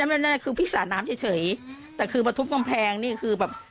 ใช่อันนั้นคือพี่สาดน้ำเฉยแต่คือมาทุบกำแพงเนี่ยคือแบบ